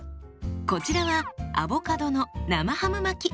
こちらはアボカドの生ハム巻き。